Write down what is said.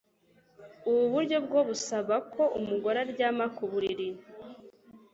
ubu buryo bwo busaba ko umugore aryama ku buriri